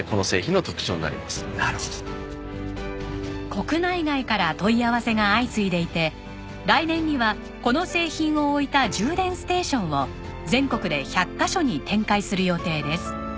国内外から問い合わせが相次いでいて来年にはこの製品を置いた充電ステーションを全国で１００カ所に展開する予定です。